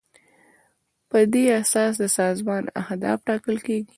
په دې اساس د سازمان اهداف ټاکل کیږي.